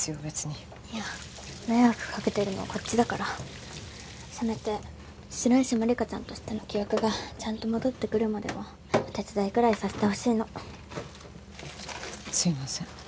別にいや迷惑かけてるのはこっちだからせめて白石万理華ちゃんとしての記憶がちゃんと戻ってくるまではお手伝いぐらいさせてほしいのすいません